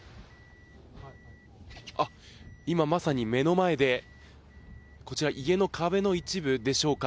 今まさに目の前で家の壁の一部でしょうか。